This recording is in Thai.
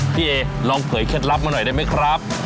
พี่เอลองเผยเคล็ดลับมาหน่อยได้ไหมครับ